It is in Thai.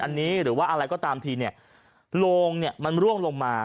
อันนี้หรือว่าอะไรก็ตามทีโลงมันร่วงลงมา